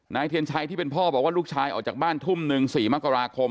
เทียนชัยที่เป็นพ่อบอกว่าลูกชายออกจากบ้านทุ่มหนึ่ง๔มกราคม